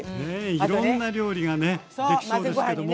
いろんな料理がねできそうですけども。